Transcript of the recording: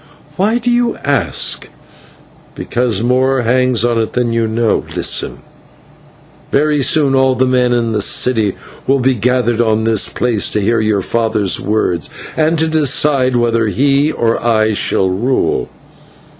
"Why do you ask?" "Because more hangs on it than you know. Listen: Very soon all the men in the city will be gathered on this place to hear your father's words, and to decide whether he or I shall rule.